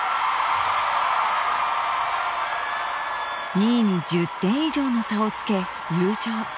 ２位に１０点以上の差をつけ優勝。